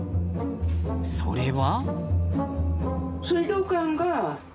それは。